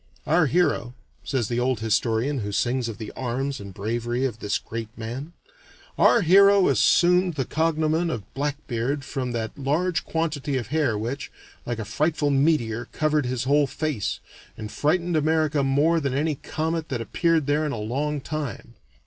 "Our hero," says the old historian who sings of the arms and bravery of this great man "our hero assumed the cognomen of Blackbeard from that large quantity of hair which, like a frightful meteor, covered his whole face, and frightened America more than any comet that appeared there in a long time.